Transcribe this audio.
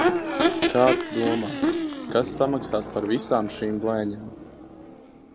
Kā tu domā, kas samaksās par visām šīm blēņām?